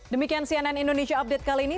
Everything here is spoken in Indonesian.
demikian cnn indonesia update kali ini